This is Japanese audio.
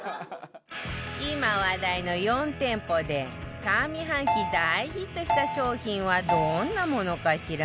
今話題の４店舗で上半期大ヒットした商品はどんなものかしら？